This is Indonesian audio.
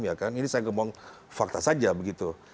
ini saya ngomong fakta saja begitu